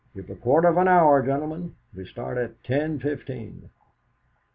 "You've a quarter of an hour, gentlemen; we start at ten fifteen."